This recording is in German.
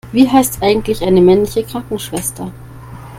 Wie heißt eigentlich eine männliche Krankenschwester?